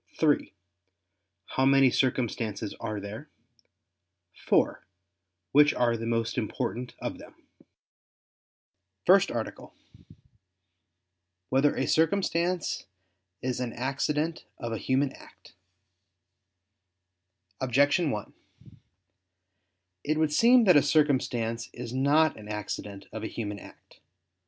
(3) How many circumstances are there? (4) Which are the most important of them? ________________________ FIRST ARTICLE [I II, Q. 7, Art. 1] Whether a Circumstance Is an Accident of a Human Act? Objection 1: It would seem that a circumstance is not an accident of a human act.